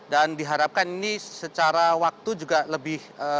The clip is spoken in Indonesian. dan diharapkan ini secara waktu juga lebih